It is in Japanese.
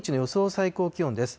最高気温です。